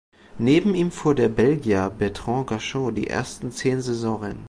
Neben ihm fuhr der Belgier Bertrand Gachot die ersten zehn Saisonrennen.